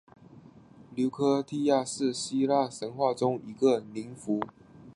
琉科忒亚是希腊神话中一个宁芙。